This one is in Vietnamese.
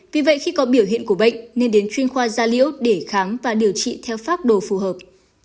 vì vậy khi có biểu hiện của bệnh nên đến chuyên khoa gia liễu để khám và điều trị theo pháp đồ phù hợp